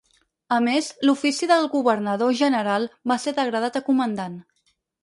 A més, l'ofici del governador-general va ser degradat a comandant.